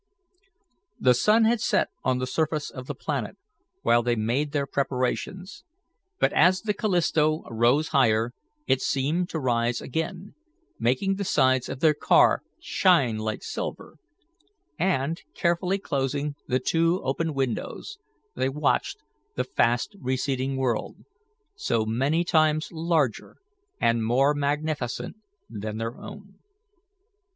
The sun had set on the surface of the planet while they made their preparations; but as the Callisto rose higher, it seemed to rise again, making the sides of their car shine like silver, and, carefully closing the two open windows, they watched the fast receding world, so many times larger and more magnificent than their own.